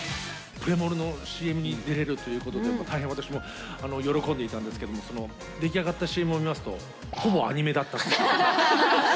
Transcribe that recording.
プレモルのＣＭに出れるということで、大変私も喜んでいたんですけれども、出来上がったＣＭを見ますと、ほぼアニメだったと。